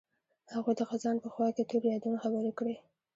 هغوی د خزان په خوا کې تیرو یادونو خبرې کړې.